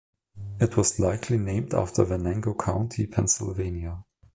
It was likely named after Venango County, Pennsylvania.